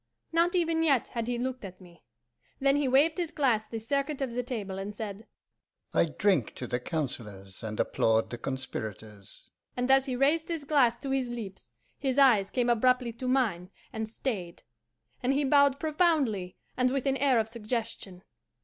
Not even yet had he looked at me. Then he waved his glass the circuit of the table, and said, 'I drink to the councillors and applaud the conspirators,' and as he raised his glass to his lips his eyes came abruptly to mine and stayed, and he bowed profoundly and with an air of suggestion.